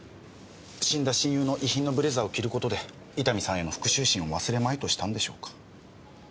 死んだ親友の遺品のブレザーを着る事で伊丹さんへの復讐心を忘れまいとしたんでしょうか。